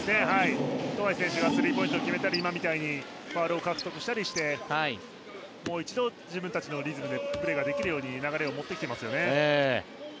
富樫選手がスリーポイントを決めたりファウルを獲得したりしてもう一度自分たちのリズムでプレーができるように流れを持ってきていますね。